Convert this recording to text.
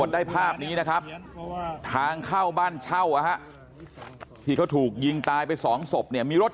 ได้ภาพนี้นะครับทางเข้าบ้านเช่าที่เขาถูกยิงตายไปสองศพเนี่ยมีรถ